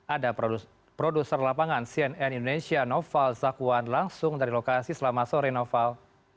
ada produser lapangan cnn indonesia noval zakwan langsung dari lokasi selama sore noval